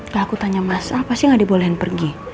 kalau aku tanya mas apa sih gak dibolehin pergi